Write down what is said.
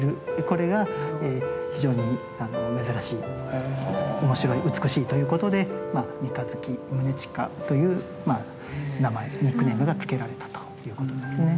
これが非常に珍しい面白い美しいということで「三日月宗近」という名前ニックネームが付けられたということですね。